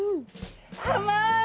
甘い！